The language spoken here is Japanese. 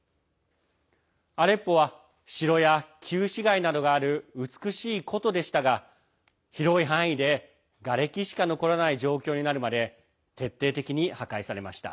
アレッポは城や旧市街などがある美しい古都でしたが広い範囲で、がれきしか残らない状況になるまで徹底的に破壊されました。